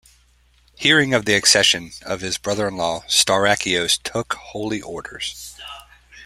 Hearing of the accession of his brother-in-law, Staurakios took Holy Orders.